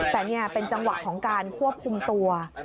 แต่นี่เป็นจังหวะของการควบคุมตัว